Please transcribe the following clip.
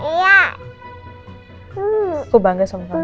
kalimber tuh hebat mama bangga sama kamu juga